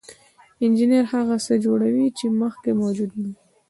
انجینر هغه څه جوړوي چې مخکې موجود نه وو.